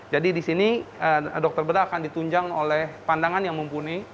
jadi di sini dokter bedah akan ditunjang oleh pandangan yang mumpuni